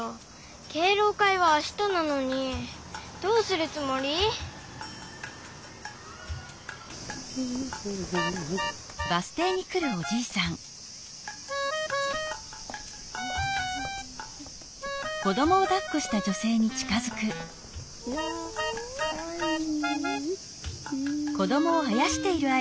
敬老会はあしたなのにどうするつもり？いやかわいい。